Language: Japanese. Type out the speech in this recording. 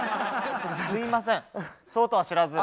すいませんそうとは知らず。